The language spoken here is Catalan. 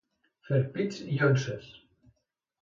Fer pits i llonzes.